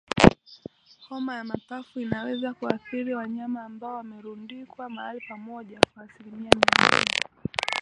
Homa ya mapafu inaweza kuathiri wanyama ambao wamerundikwa mahali pamoja kwa asilimia mia moja